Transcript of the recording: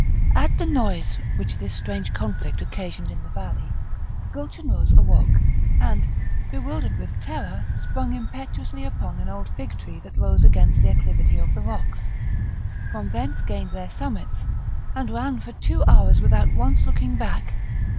At the noise which this strange conflict occasioned in the valley, Gulchenrouz awoke, and, bewildered with terror, sprung impetuously upon an old figtree that rose against the acclivity of the rocks; from thence gained their summits, and ran for two hours without once looking back.